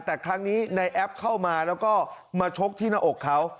แต่ครั้งนี้ในแอปเข้ามาแล้วก็มาชกที่หน้าอกเขา